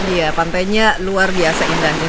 iya pantainya luar biasa indahnya